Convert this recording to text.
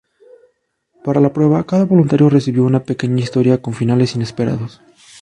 Para la prueba cada voluntario recibió una pequeña historia con finales inesperados.